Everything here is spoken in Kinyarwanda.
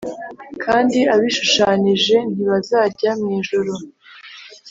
kandi abishushanije ntibazajya mw ijuru,